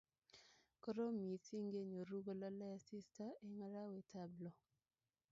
Koroom misiing kenyoru kolalei asista eng arawet ab lok